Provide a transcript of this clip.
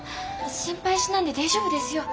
心配しなんで大丈夫ですよ。